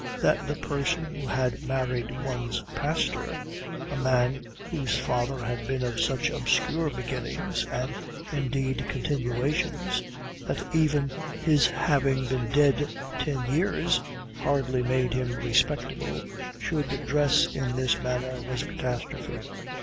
That the person who had married one's pastor, a man whose father had been of such obscure beginnings, and indeed continuations, that even his having been dead ten years hardly made him respectable, should dress in this manner was a catastrophe.